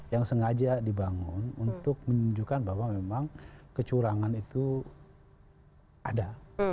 yang sengaja dibangun untuk menunjukkan bahwa memang kecurangan itu ada